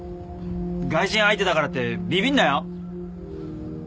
外人相手だからってビビんなよ。